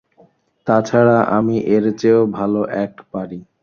তাছাড়া, আমি এর চেয়েও ভালো অ্যাক্ট পারি।